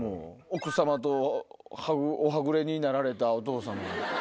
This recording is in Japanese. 奥様とおはぐれになられたお父さんも。